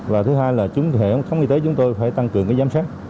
và thứ hai là chúng hệ thống y tế chúng tôi phải tăng cường giám sát